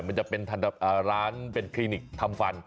มันจะเป็นร้านเป็นคลินิกทำฟัน